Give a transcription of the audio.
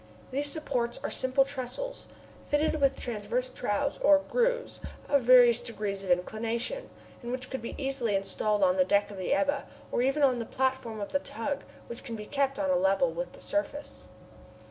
These supports are simple trestles, fitted with transverse troughs or grooves of various degrees of inclination, and which could be easily installed on the deck of the Ebba, or even on the platform of the tug, which can be kept on a level with the surface.